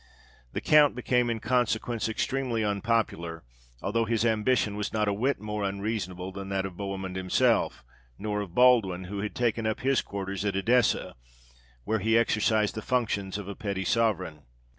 The count became in consequence extremely unpopular, although his ambition was not a whit more unreasonable than that of Bohemund himself, nor of Baldwin, who had taken up his quarters at Edessa, where he exercised the functions of a petty sovereign.